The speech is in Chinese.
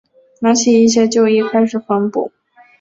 拿起一些旧衣开始缝补